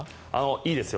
いいですよ。